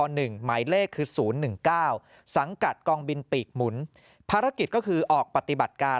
หมายเลขคือ๐๑๙สังกัดกองบินปีกหมุนภารกิจก็คือออกปฏิบัติการ